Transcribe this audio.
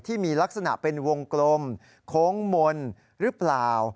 ที่มีลักษณะเป็นวงกลมโค้งมนต์หรือเปล่า